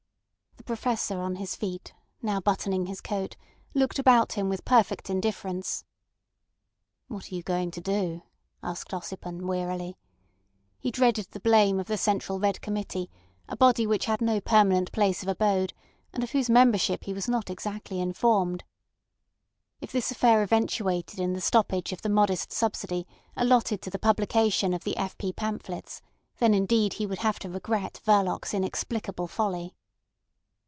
The Professor on his feet, now buttoning his coat, looked about him with perfect indifference. "What are you going to do?" asked Ossipon wearily. He dreaded the blame of the Central Red Committee, a body which had no permanent place of abode, and of whose membership he was not exactly informed. If this affair eventuated in the stoppage of the modest subsidy allotted to the publication of the F. P. pamphlets, then indeed he would have to regret Verloc's inexplicable folly.